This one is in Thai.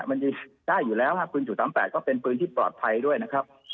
มันได้อยู่แล้วฮะปืน๓๘ก็เป็นปืนที่ปลอดภัยด้วยนะครับ